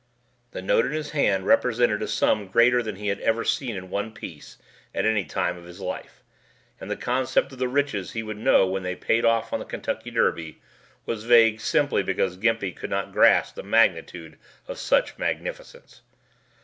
The note in his hand represented a sum greater than he had ever seen in one piece at any time of his life, and the concept of the riches he would know when they paid off on the Kentucky Derby was vague simply because Gimpy could not grasp the magnitude of such magnificence.